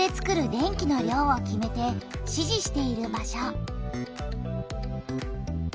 電気の量を決めて指示している場所。